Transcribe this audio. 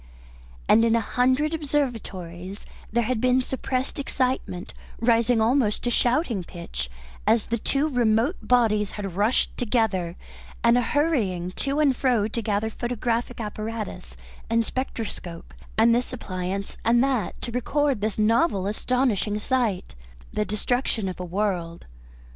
And in a hundred observatories there had been suppressed excitement, rising almost to shouting pitch, as the two remote bodies had rushed together, and a hurrying to and fro, to gather photographic apparatus and spectroscope, and this appliance and that, to record this novel, astonishing sight, the destruction of a world.